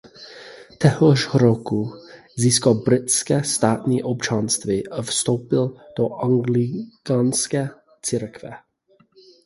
Téhož roku získal britské státní občanství a vstoupil do anglikánské církve.